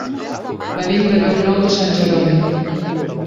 Venim de Llocnou de Sant Jeroni.